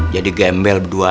jadi gembel berdua